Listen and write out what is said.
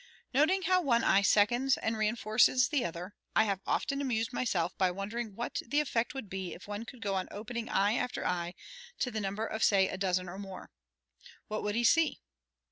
Noting how one eye seconds and reinforces the other, I have often amused myself by wondering what the effect would be if one could go on opening eye after eye to the number say of a dozen or more. What would he see?